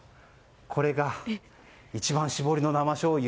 これが一番搾りのなましょうゆ。